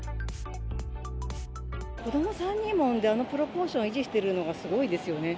子ども３人も産んであのプロポーションを維持しているのがすごいですよね。